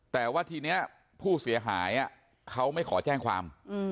แต่ว่าทีนี้ผู้เสียหายเขาไม่ขอแจ้งความ